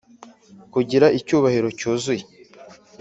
kugira icyubahiro cyuzuye,